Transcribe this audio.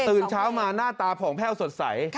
เช้ามาหน้าตาผ่องแพ่วสดใส